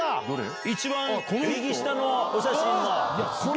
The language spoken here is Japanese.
一番右下のお写真の。